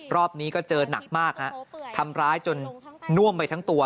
รอบนี้ก็เจอหนักมากฮะทำร้ายจนน่วมไปทั้งตัว